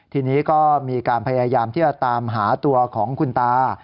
ทีนี้ก็มีการพยายามที่จะตามหาตัวของคุณตา